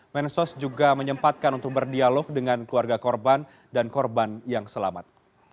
mensos juga menyempatkan untuk berdialog dengan keluarga korban dan korban yang selamat